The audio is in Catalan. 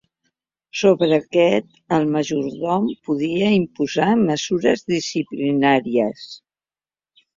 Sobre aquests el majordom podia imposar mesures disciplinàries.